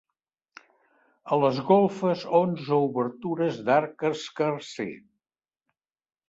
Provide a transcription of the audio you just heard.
A les golfes onze obertures d'arc escarser.